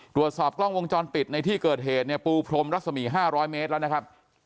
ตรวจสอบกล้องวงจรปิดในที่เกิดเหตุเนี่ยปูพรมรัศมี๕๐๐เมตรแล้วนะครับ